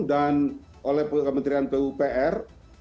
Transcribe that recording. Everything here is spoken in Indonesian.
dan oleh kementerian pupr